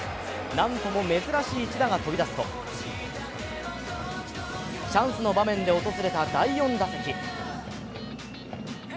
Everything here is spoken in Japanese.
なんとも珍しい一打が飛び出すとチャンスの場面で訪れた第４打席。